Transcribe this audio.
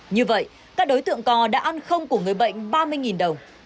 như vậy các đối tượng co đã ăn không của người bệnh ba mươi đồng